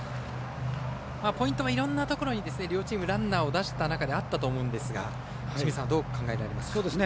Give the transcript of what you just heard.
ポイントはいろんなところに両チームランナーを出した中であったと思うんですが清水さん、どう考えられますか？